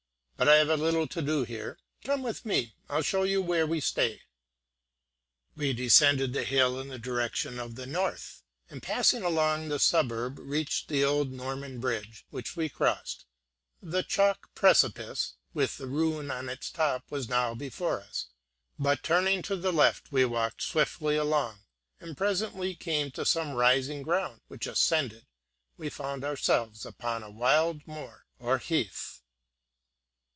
But I have little to do here come with me, and I'll show you where we stay." We descended the hill in the direction of the north, and passing along the suburb reached the old Norman bridge, which we crossed; the chalk precipice, with the ruin on its top, was now before us; but turning to the left we walked swiftly along, and presently came to some rising ground, which ascending, we found ourselves upon a wild moor or heath.